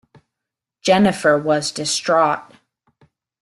Jennifer was distraught.